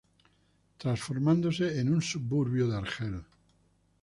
Transformándose en un suburbio de Argel.